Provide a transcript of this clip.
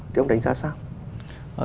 thì ông đánh giá sao